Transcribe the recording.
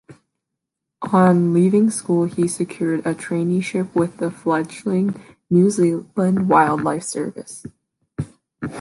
On leaving school he secured a traineeship with the fledgling New Zealand Wildlife Service.